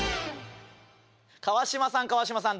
「川島さん」「川島さん」